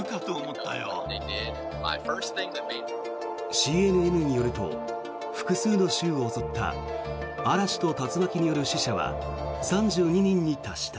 ＣＮＮによると複数の州を襲った嵐と竜巻による死者は３２人に達した。